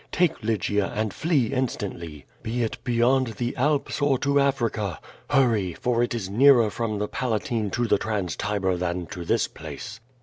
Take liygia and flee instantly, be it beyond the Alps or to Africa. Hurry! for it is nearer from the Palatine to the Trans Tiber than to this place."